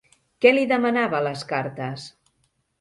Què li demanava a les cartes?